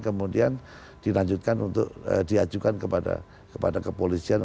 kemudian dilanjutkan untuk diajukan kepada kepolisian